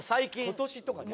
今年とかだよね？